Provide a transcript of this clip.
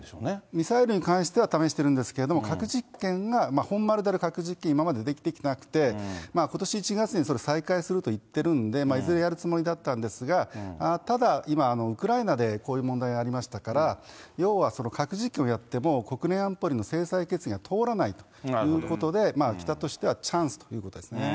ミサイルに関しては、試しているんですけれども、核実験が、本丸である核実験が今までできてきていなくて、ことし１月にそれ、再開するって言ってるんで、いずれやるつもりだったんですが、ただ今、ウクライナでこういう問題がありましたから、要は、核実験をやっても、国連安保理の制裁決議が通らないということで、北としてはチャンスということですね。